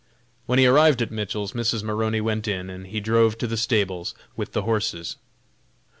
When he arrived at Mitchell's Mrs. Maroney went in, and he drove to the stables with the horses.